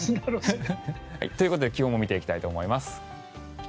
ということで気温も見ていきたいと思います。